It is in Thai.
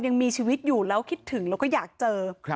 ยังมีชีวิตอยู่แล้วคิดถึงแล้วก็อยากเจอ